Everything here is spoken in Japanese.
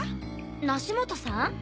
梨元さん？